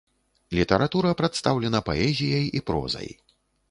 Літаратура прадстаўлена паэзіяй і прозай.